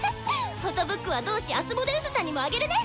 フォトブックは同志アスモデウスさんにもあげるね！